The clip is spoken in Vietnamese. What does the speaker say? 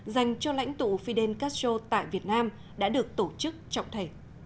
dành cho lãnh tụ fidel castro tại việt nam đã được tổ chức trọng thể